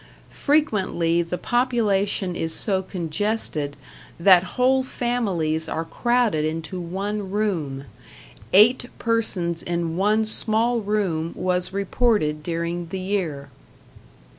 Frequently the population is so congested that whole families are crowded into one room; eight persons in one small room was reported during the year.